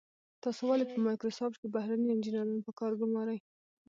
تاسو ولې په مایکروسافټ کې بهرني انجنیران په کار ګمارئ.